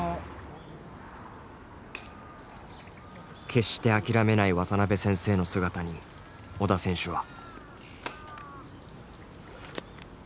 決して諦めない渡辺先生の姿に織田選手は。